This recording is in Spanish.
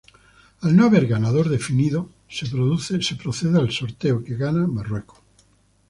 Al no haber ganador definido se procede al sorteo, que gana Marruecos.